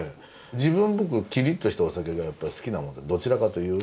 自分キリッとしたお酒がやっぱり好きなもんでどちらかというと。